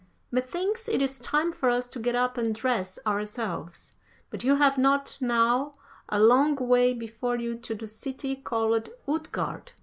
Methinks it is time for us to get up and dress ourselves; but you have not now a long way before you to the city called Utgard.